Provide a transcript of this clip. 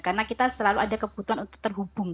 karena kita selalu ada kebutuhan untuk terhubung